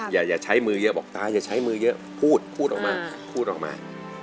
อย่าใช้มือเยอะบอกตาอย่าใช้มือเยอะพูดพูดออกมาพูดออกมา